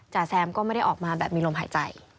แซมก็ไม่ได้ออกมาแบบมีลมหายใจ